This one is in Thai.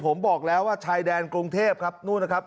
ผมบอกแล้วว่าชายแดนกรุงเทพครับนู่นนะครับ